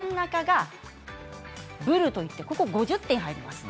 真ん中がブルといって５０点入ります。